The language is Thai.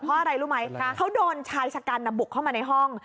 เพราะอะไรรู้ไหมเขาโดนชายชะกันบุกเข้ามาในห้อง